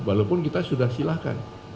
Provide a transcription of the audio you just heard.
walaupun kita sudah silahkan